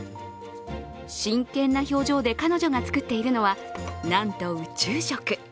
真剣な表情で彼女が作っているのはなんと宇宙食。